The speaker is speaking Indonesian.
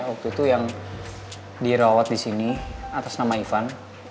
waktu itu yang dirawat disini atas nama ivan